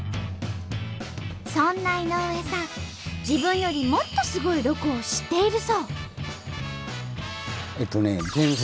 自分よりもっとすごいロコを知っているそう。